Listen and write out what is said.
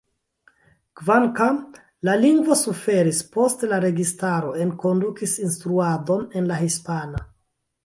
Kvankam, la lingvo suferis post la registaro enkondukis instruadon en la hispana.